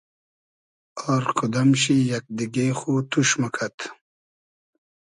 آر کودئم شی یئگ دیگې خو توش موکئد